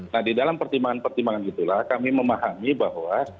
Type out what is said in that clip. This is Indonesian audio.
nah di dalam pertimbangan pertimbangan itulah kami memahami bahwa